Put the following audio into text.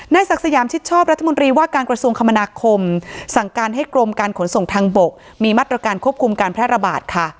ศักดิ์สยามชิดชอบรัฐมนตรีว่าการกระทรวงคมนาคมสั่งการให้กรมการขนส่งทางบกมีมาตรการควบคุมการแพร่ระบาดค่ะ